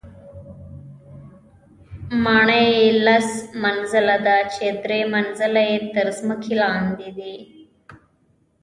ماڼۍ یې لس منزله ده، چې درې منزله یې تر ځمکې لاندې دي.